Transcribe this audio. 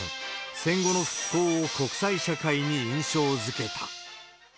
戦後の復興を国際社会に印象づけた。